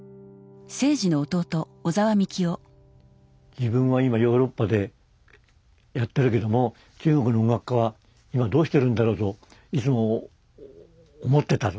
自分は今ヨーロッパでやってるけども中国の音楽家は今どうしてるんだろうといつも思ってたと。